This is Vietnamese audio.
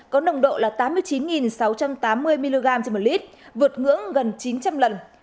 có nồng độ là tám mươi chín sáu trăm tám mươi mg trên một lít vượt ngưỡng gần chín trăm linh lần